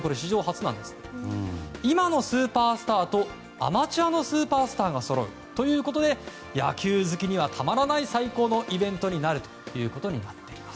今のスーパースターとアマチュアのスーパースターがそろうということで野球好きにはたまらない最高のイベントになるということになっています。